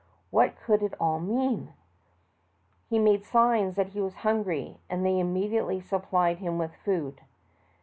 What could it all mean ? He made signs that he was hungry, and they immediately supplied him with food.